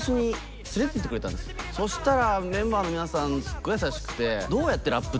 そしたら。